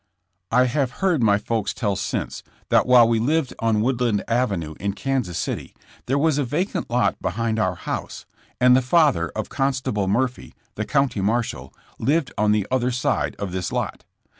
I have heard my folks tell since, that while we lived on Woodland Avenue, in Kansas City, there was a vacant lot behind our house, and the father of Con. Murphy, the County Marshall, lived on the other side of this lot.